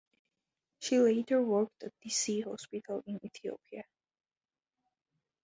She later worked at Dessie Hospital in Ethiopia.